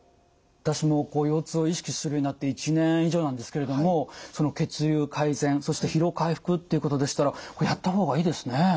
私も腰痛を意識するようになって１年以上なんですけれども血流改善そして疲労回復っていうことでしたらやった方がいいですね。